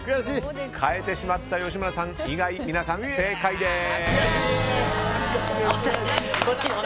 変えてしまった吉村さん以外皆さん、正解です。